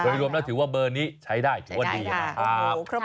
โดยรวมแล้วถือว่าเบอร์นี้ใช้ได้ถือว่าดีนะครับ